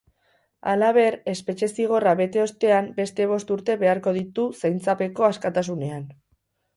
Halaber, espetxe zigorra bete ostean beste bost urte beharko ditu zaintzapeko askatasunean.